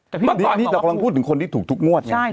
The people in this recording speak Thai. แต่พี่บ้านก่อนเรากำลังพูดถึงคนที่ถูกทุกงวดไง